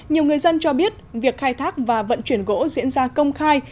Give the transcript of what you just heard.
nhiều người dân cho biết việc khai thác và vận chuyển gỗ diễn ra công khai